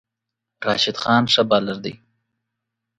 راشد خان ښه بالر دی